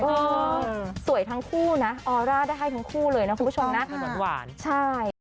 ก็สวยทั้งคู่นะออร่าได้ให้ทั้งคู่เลยนะคุณผู้ชมนะ